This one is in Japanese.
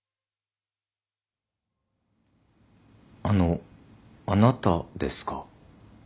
あのあなたですか？